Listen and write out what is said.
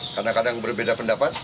kadang kadang berbeda pendapat